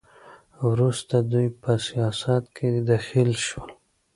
وروسته دوی په سیاست کې دخیل شول.